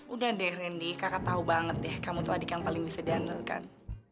udah deh randy kakak tahu banget deh kamu tuh adik yang paling bisa daniel kan